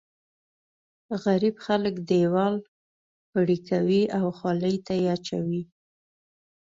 غريب خلک دیوال پرې کوي او خولې ته یې اچوي.